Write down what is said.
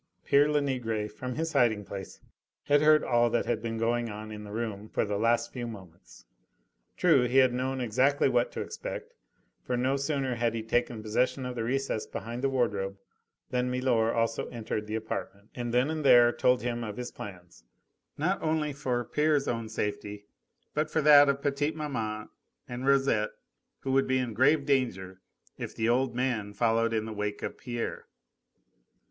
Pere Lenegre, from his hiding place, had heard all that had been going on in the room for the last few moments. True, he had known exactly what to expect, for no sooner had he taken possession of the recess behind the wardrobe than milor also entered the apartment and then and there told him of his plans not only for pere's own safety, but for that of petite maman and Rosette who would be in grave danger if the old man followed in the wake of Pierre.